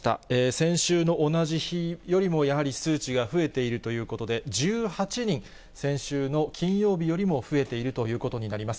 先週の同じ日よりも、やはり数値が増えているということで、１８人、先週の金曜日よりも増えているということになります。